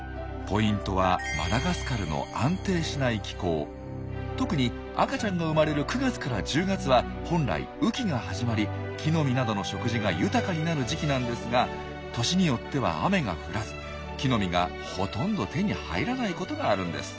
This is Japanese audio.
ポイントは特に赤ちゃんが生まれる９月から１０月は本来雨季が始まり木の実などの食事が豊かになる時期なんですが年によっては雨が降らず木の実がほとんど手に入らないことがあるんです。